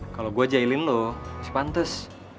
kalo gue jahilin lo masih pantas